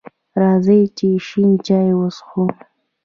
راځئ چې شین چای وڅښو!